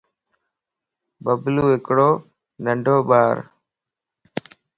ببلو ھڪڙو ننڍو ٻار